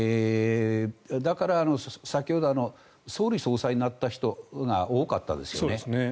だから先ほど総理・総裁になった人が多かったですよね。